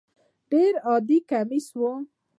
ډېر عادي کمیس و.